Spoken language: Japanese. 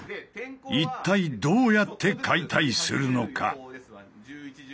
一体どうやって解体するのか？